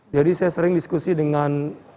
jadi saya sering diskusi dengan